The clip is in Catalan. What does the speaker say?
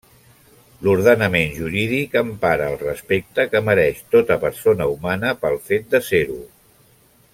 L'ordenament jurídic empara el respecte que mereix tota persona humana pel fet de ser-ho.